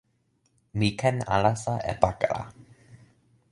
mi ken alasa e pakala.